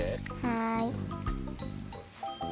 はい！